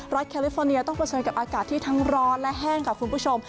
แคลิฟอร์เนียต้องเผชิญกับอากาศที่ทั้งร้อนและแห้งค่ะคุณผู้ชม